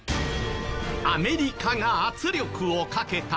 アメリカが圧力をかけたから！？